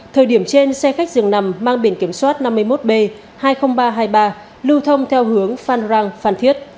thời điểm trên xe khách dường nằm mang biển kiểm soát năm mươi một b hai mươi nghìn ba trăm hai mươi ba lưu thông theo hướng phan rang phan thiết